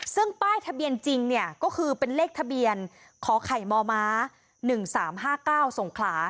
ซึ่งป้ายทะเบียนจริงเนี่ยก็คือเป็นเลขทะเบียนขอไข่มม๑๓๕๙สงขลา